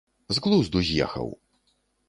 З глузду з ехаў.